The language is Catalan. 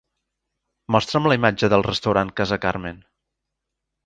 Mostra'm la imatge del restaurant Casa Carmen.